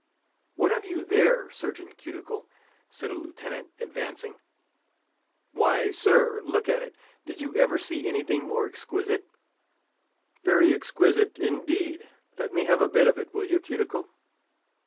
"What have you there, Surgeon Cuticle?" said a Lieutenant, advancing. "Why, sir, look at it; did you ever see anything more exquisite?" "Very exquisite indeed; let me have a bit of it, will you, Cuticle?"